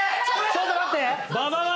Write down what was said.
ちょっと待って。